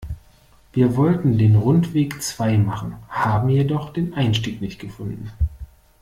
Wir wollten den Rundweg zwei machen, haben jedoch den Einstieg nicht gefunden.